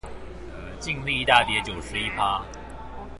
淨利大跌九十一趴